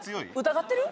疑ってる？